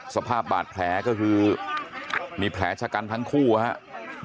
สภาพบาดแผลก็คือมีแผลชะกันทั้งคู่ครับ